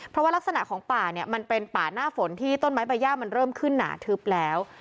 เพราะว่ารักษณะของป่าเนี่ยมันเป็นป่าหน้าฝนที่ต้นไม้ใบย่ามันเริ่มขึ้นหนาทึบแล้ว